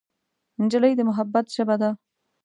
نجلۍ د محبت ژبه ده.